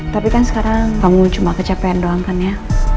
tapi kan sekarang kamu cuma kecepean doang kan ya